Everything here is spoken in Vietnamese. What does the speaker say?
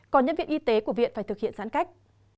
còn nhân viên y tế của viện phải thực hiện giãn cách